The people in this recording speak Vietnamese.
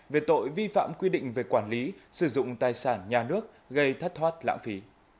về tội vi phạm quy định về quản lý sử dụng tài sản nhà nước gây thất thoát lãng phí